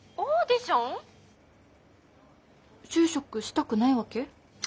就職したくないわけ？